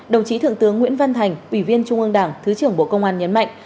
đồng chí thượng tướng nguyễn văn thành ủy viên trung ương đảng thứ trưởng bộ công an nhấn mạnh